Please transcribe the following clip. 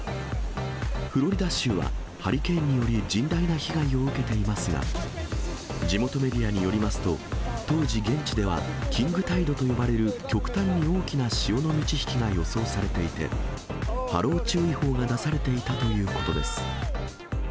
フロリダ州はハリケーンにより甚大な被害を受けていますが、地元メディアによりますと、当時現地では、キングタイドと呼ばれる極端に大きな潮の満ち引きが予想されていて、波浪注意報が出されていたということです。